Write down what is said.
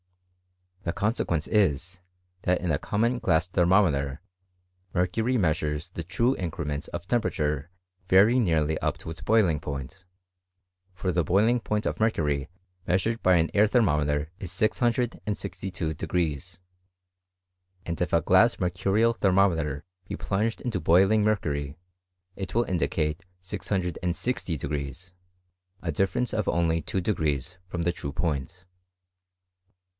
The consequence is, that in a common glass thermometer mercury mea sures the true increments of temperature very nearly up to its boiling point ; for the boiling point of mer cury measured by an air thermometer is 662® : and if a glass mercurial thermometer be plunged into boiling mercury, it will indicate 660", a di£ference of only 2* from the true point.